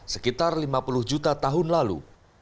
sekitar lima puluh juta tahun lalu